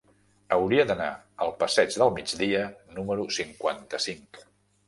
Hauria d'anar al passeig del Migdia número cinquanta-cinc.